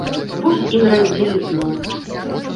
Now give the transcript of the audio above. Вось і нарадзілі зноў.